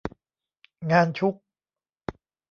งานชุก